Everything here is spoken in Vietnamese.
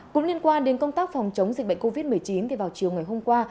cũng liên quan đến công tác phòng chống dịch bệnh covid một mươi chín thì vào chiều ngày hôm qua